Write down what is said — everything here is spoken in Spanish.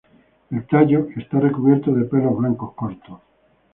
El tallo está recubierto de pelos blancos cortos.